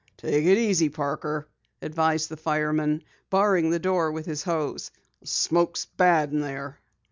"Take it easy, Parker," advised the fireman, barring the door with his hose. "The smoke's bad in there."